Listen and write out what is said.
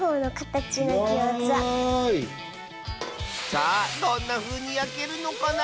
さあどんなふうにやけるのかな？